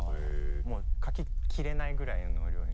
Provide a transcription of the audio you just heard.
もう描ききれないぐらいの量に。